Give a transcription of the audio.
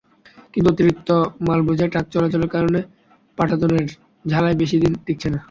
কিন্তু অতিরিক্ত মালবোঝাই ট্রাক চলাচলের কারণে পাটাতনের ঝালাই বেশি দিন টিকছে না।